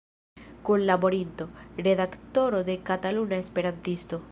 Kunlaborinto, redaktoro de "Kataluna Esperantisto".